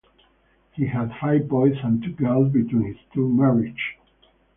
He had five boys and two girls between his two marriages.